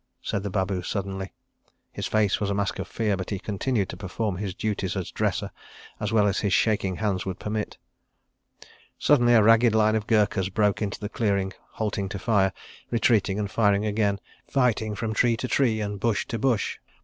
said the babu suddenly. His face was a mask of fear, but he continued to perform his duties as dresser, as well as his shaking hands would permit. Suddenly a ragged line of Gurkhas broke into the clearing, halting to fire, retreating and firing again, fighting from tree to tree and bush to bush.